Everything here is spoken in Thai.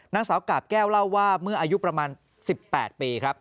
นางสาวกาบแก้วเล่าว่าเมื่ออายุประมาณ๑๘ปีครับ